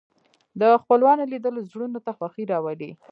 د خپلوانو لیدل زړونو ته خوښي راولي